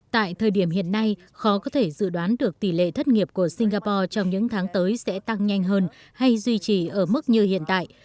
tại thời điểm hiện nay khó có thể dự đoán được tỷ lệ thất nghiệp của singapore trong những tháng tới sẽ tăng nhanh hơn hay duy trì ở mức như hiện tại